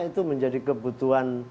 itu menjadi kebutuhan